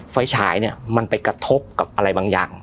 ไฟฉายไปกระทบกับอะไรบางอย่าง